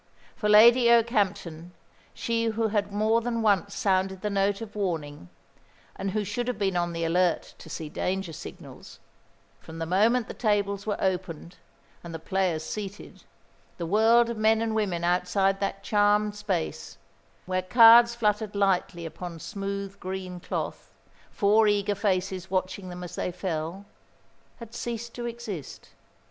For Lady Okehampton she who had more than once sounded the note of warning, and who should have been on the alert to see danger signals from the moment the tables were opened and the players seated, the world of men and women outside that charmed space where cards fluttered lightly upon smooth green cloth, four eager faces watching them as they fell had ceased to exist.